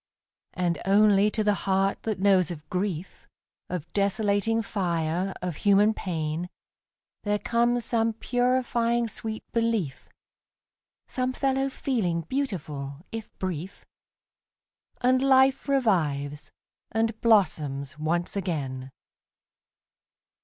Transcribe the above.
And only to the heart that knows of grief, Of desolating fire, of human pain, There comes some purifying sweet belief, Some fellow feeling beautiful, if brief. And life revives, and blossoms once again.